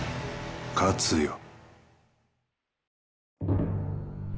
勝つよ。